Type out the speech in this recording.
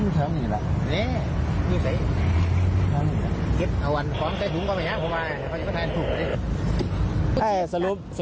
ร่วมทางนี้แหละ